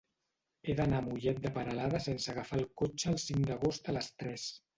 He d'anar a Mollet de Peralada sense agafar el cotxe el cinc d'agost a les tres.